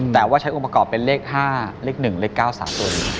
แต่ว่าใช้องค์ประกอบเป็นเลข๕เลข๑เลข๙๓ตัว๑